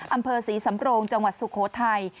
อำเภอศรีสำโรงจังหวัดสุโขทัย